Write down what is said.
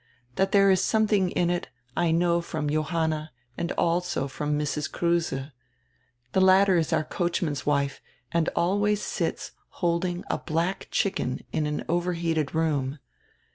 That there is something in it I know from Johanna and also from Mrs. Kruse. The latter is our coachman's wife and always sits holding a black chicken in an overheated room.